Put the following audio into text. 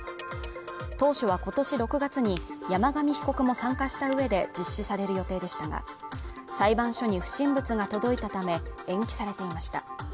当初は今年６月に山上被告も参加したうえで実施される予定でしたが裁判所に不審物が届いたため延期されていました